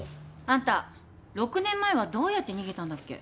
あんた６年前はどうやって逃げたんだっけ？